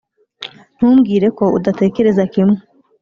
ntumbwire ko udatekereza kimwe.